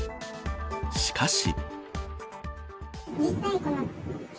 しかし。